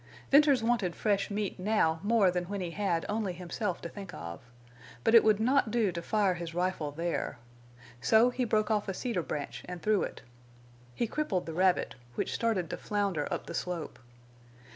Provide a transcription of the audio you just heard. Venters wanted fresh meat now more than when he had only himself to think of. But it would not do to fire his rifle there. So he broke off a cedar branch and threw it. He crippled the rabbit, which started to flounder up the slope.